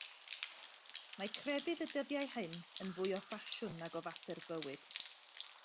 Mae crefydd y dyddiau hyn yn fwy o ffasiwn nag o fater bywyd.